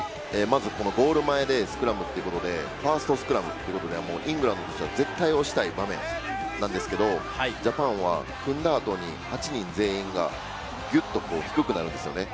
ゴール前でスクラムということでファーストスクラムということで、イングランドとしては絶対押したい場面なんですけれども、ジャパンは組んだ後に８人全員がギュッと低くなるんですね。